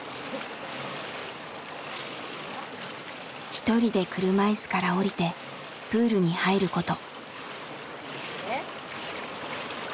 一人で車いすから降りてプールに入ること。